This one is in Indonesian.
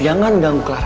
jangan ganggu clara